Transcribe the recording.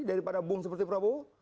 daripada bung seperti prabowo